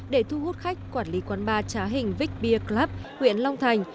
để thu hút khách quản lý quán bar trá hình vick beer club huyện long thành